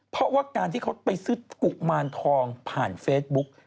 เพราะว่าการที่เขาไปซื้อกุมารทองผ่านเฟซบุ๊ก